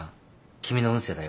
君の運勢だよ。